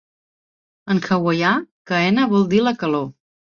En hawaià, "kaena" vol dir "la calor".